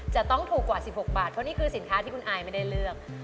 จะต้องถูกกว่า๑๖บาทเพราะนี่คือสินค้าที่คุณอายไม่ได้เลือก